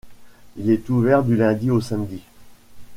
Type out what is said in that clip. Il est ouvert du lundi au samedi.